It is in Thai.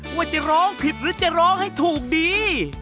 ว่าจะร้องผิดหรือจะร้องให้ถูกดี